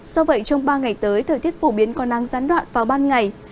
do vậy trong ba ngày tới thời tiết phổ biến có nắng gián đoạn vào ban ngày